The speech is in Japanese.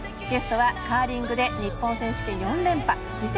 ゲストはカーリングで日本選手権４連覇。